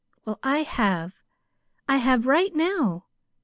Well, I have. I have right now.